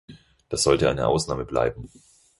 Das sollte eine Ausnahme bleiben.